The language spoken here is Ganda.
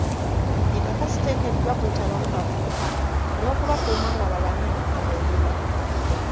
Empaka ziteekeddwa kwetabwamu bavubuka n'okubakuuma nga balamu mu mibiri.